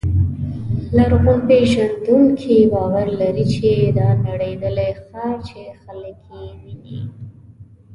لرغونپېژندونکي باور لري چې دا نړېدلی ښار چې خلک یې ویني.